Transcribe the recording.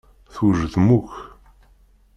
Twejdem akk.